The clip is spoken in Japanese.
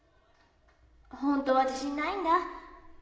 本当は自信ないんだ。